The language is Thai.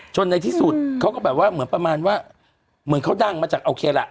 ในที่สุดเขาก็แบบว่าเหมือนประมาณว่าเหมือนเขาดังมาจากโอเคล่ะ